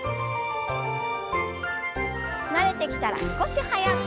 慣れてきたら少し速く。